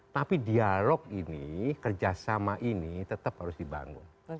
tapi dialog ini kerjasama ini tetap harus dibangun